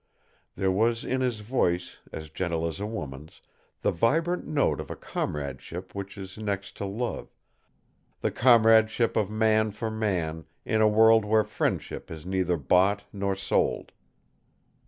There was in his voice, as gentle as a woman's, the vibrant note of a comradeship which is next to love the comradeship of man for man in a world where friendship is neither bought nor sold.